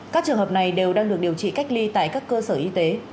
các trường hợp này đều đang được điều trị cách ly tại các cơ sở y tế